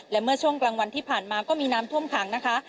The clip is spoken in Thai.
และเมื่อช่วงกลางวันที่ผ่านมาก็มีน้ำท่วมขังนะคะ